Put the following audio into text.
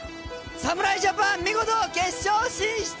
侍ジャパン見事、決勝進出。